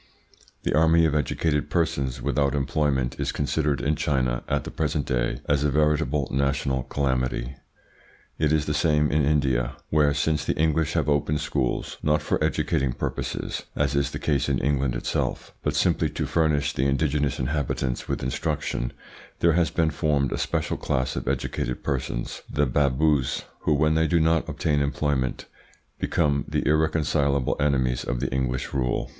The army of educated persons without employment is considered in China at the present day as a veritable national calamity. It is the same in India where, since the English have opened schools, not for educating purposes, as is the case in England itself, but simply to furnish the indigenous inhabitants with instruction, there has been formed a special class of educated persons, the Baboos, who, when they do not obtain employment, become the irreconcilable enemies of the English rule.